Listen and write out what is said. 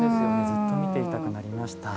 ずっと見ていたくなりました。